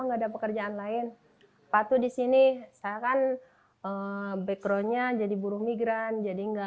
nggak ada pekerjaan lain patuh disini saya kan backgroundnya jadi buruh migran jadi enggak